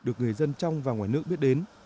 được người dân trong và ngoài nước biết đến